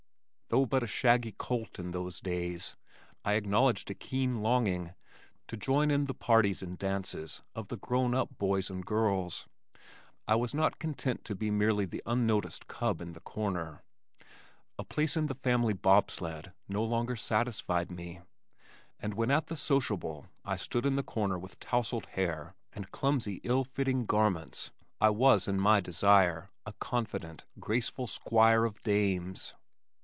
Though but a shaggy colt in those days, I acknowledged a keen longing to join in the parties and dances of the grown up boys and girls. I was not content to be merely the unnoticed cub in the corner. A place in the family bob sled no longer satisfied me, and when at the "sociable" I stood in the corner with tousled hair and clumsy ill fitting garments I was in my desire, a confident, graceful squire of dames.